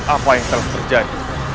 apa yang telah terjadi